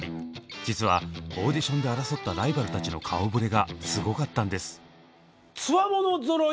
実はオーディションで争ったライバルたちの顔ぶれがすごかったんです！